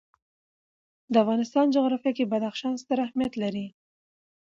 د افغانستان جغرافیه کې بدخشان ستر اهمیت لري.